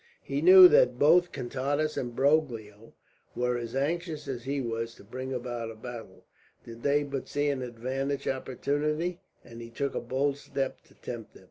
He knew that both Contades and Broglio were as anxious as he was to bring about a battle, did they but see an advantageous opportunity; and he took a bold step to tempt them.